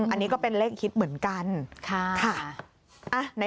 อันนี้ก็เป็นเลขฮิตเหมือนกัน